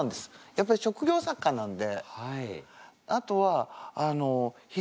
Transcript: やっぱり職業作家なんで。